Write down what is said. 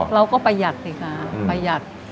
เราก็ประหยัดนิกาประหยัด